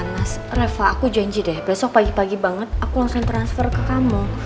mas reva aku janji deh besok pagi pagi banget aku langsung transfer ke kamu